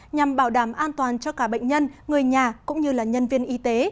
nhằm bảo đảm an toàn cho cả bệnh nhân người nhà cũng như nhân viên y tế